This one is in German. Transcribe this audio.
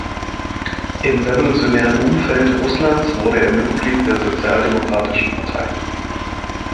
Im revolutionären Umfeld Russlands wurde er Mitglied der sozialdemokratischen Partei.